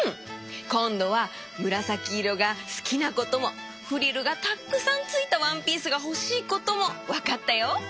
こんどはむらさきいろがすきなこともフリルがたっくさんついたワンピースがほしいこともわかったよ。